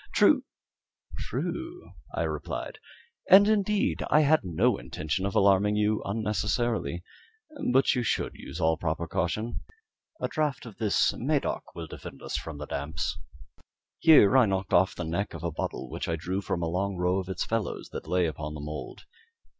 "True true," I replied; "and, indeed, I had no intention of alarming you unnecessarily but you should use all proper caution. A draught of this Medoc will defend us from the damps." Here I knocked off the neck of a bottle which I drew from a long row of its fellows that lay upon the mould.